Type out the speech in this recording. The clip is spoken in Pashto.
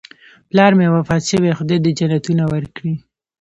پلار مې وفات شوی، خدای دې جنتونه ورکړي